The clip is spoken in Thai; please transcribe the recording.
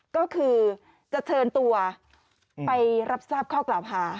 ก็คือจะเชิญตัวไปรับทราบข้อกล่าวหา